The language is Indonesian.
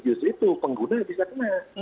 justru itu pengguna bisa kena